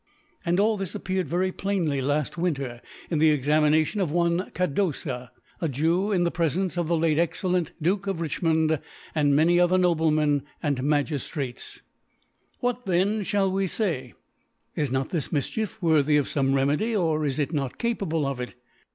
And all this appeared very plainly la(t Win ter in the Examination of one Cado/a a Jew^, in the. Prcfencc of the late excellent Duke oimcbmendy and many other Noblemen and^ .Magiftrates. What then flxall we fay ? Is not this Mif ..chief worthy of fome Remedy, or is it not capable of ii